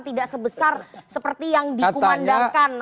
tidak sebesar seperti yang dikumandangkan